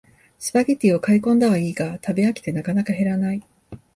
スパゲティを買いこんだはいいが食べ飽きてなかなか減らない